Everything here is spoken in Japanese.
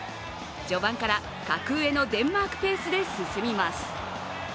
序盤から格上のデンマークペースで進みます。